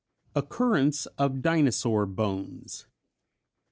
_Occurrence of Dinosaur Bones.